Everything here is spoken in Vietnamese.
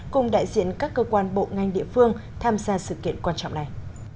cùng đại diện các cơ quan bộ ngành địa phương tham gia sự kiện quan trọng này